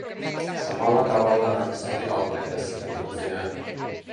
Samalla tavalla ravisteli Aapeli tässäkin itseään.